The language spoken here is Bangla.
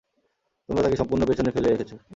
তোমরা তাকে সম্পূর্ণ পেছনে ফেলে রেখেছ।